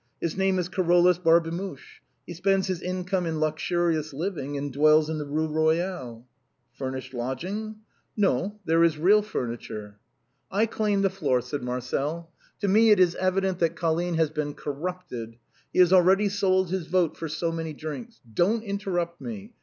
His name is Carolus Barbemuche; he spends his income in luxurious living, and dwells in the Rue Royale." " Furnished lodging ?"" No ; there is real furniture." *" I claim the floor," said Marcel. " To me it is evident that Colline has been corrupted; he has already sold his vote for so many drinks. Don't interrupt me!